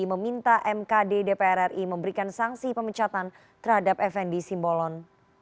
meminta mkd dpr ri memberikan sanksi pemecatan terhadap fnd simbolon